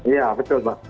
iya betul pak